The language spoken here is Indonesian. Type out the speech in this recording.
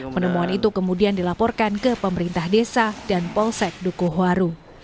penemuan itu kemudian dilaporkan ke pemerintah desa dan polsek dukuhwaru